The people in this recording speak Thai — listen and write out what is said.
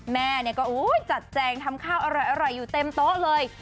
แม่ก็จัดแจงทำข้าวอร่อยอยู่เต็มโต๊ะเลย